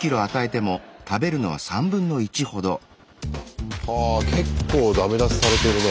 はあ結構ダメ出しされてるね。